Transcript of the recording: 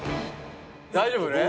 大丈夫ね？